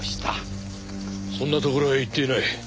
そんな所へは行っていない。